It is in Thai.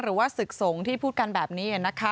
หรือว่าศึกสงฆ์ที่พูดกันแบบนี้นะคะ